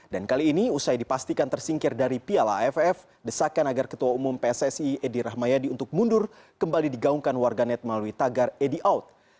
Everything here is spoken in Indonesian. dan kali ini usai dipastikan tersingkir dari piala aff desakan agar ketua umum pssi edi rahmayadi untuk mundur kembali digaungkan warganet melalui tagar edi out